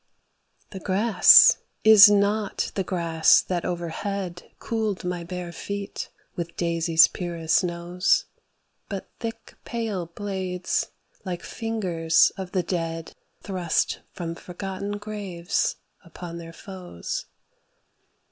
The grass is not the grass that overhead Cooled my bare feet with daisies' purest snows; But thick pale blades, like fingers of the dead Thrust from forgotten graves upon their foes.